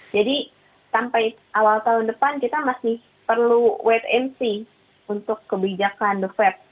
jadi sampai awal tahun depan kita masih perlu wait and see untuk kebijakan the fed